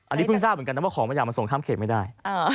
อันนี้พึ่งทราบเหมือนกันว่ากระหว่างใจส่งข้ามเขตไม่ได้